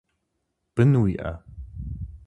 Бын уиӏэ?